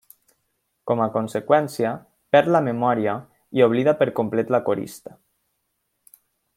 Com a conseqüència, perd la memòria i oblida per complet la corista.